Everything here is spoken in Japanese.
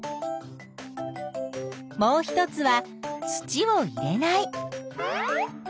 もう一つは土を入れない。